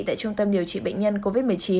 tại trung tâm điều trị bệnh nhân covid một mươi chín